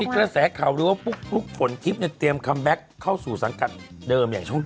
มีกระแสข่าวรู้ว่าปุ๊บปุ๊บฝนคลิปเนี่ยเตรียมคอมแบ็คเข้าสู่สังกัดเดิมอย่างช่อง๗